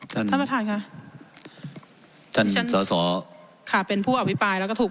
ท่านประธานค่ะท่านเช่นสอสอค่ะเป็นผู้อภิปรายแล้วก็ถูก